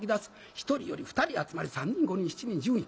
１人寄り２人集まり３人５人７人１０人。